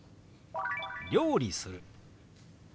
「料理する」。